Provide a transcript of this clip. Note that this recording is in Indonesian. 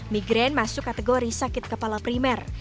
migraine masuk kategori sakit kepala primer